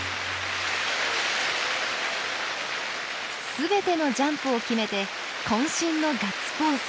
全てのジャンプを決めて渾身のガッツポーズ！